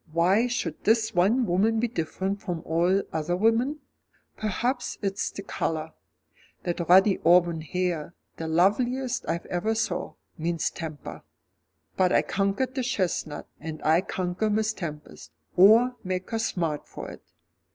"Why should this one woman be different from all other women? Perhaps it's the colour. That ruddy auburn hair, the loveliest I ever saw, means temper. But I conquered the chestnut, and I'll conquer Miss Tempest or make her smart for it."